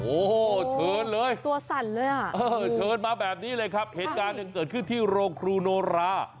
โอ้โหเชิญเลยตัวสั่นเลยอ่ะเออเชิญมาแบบนี้เลยครับเหตุการณ์เกิดขึ้นที่โรงครูโนรา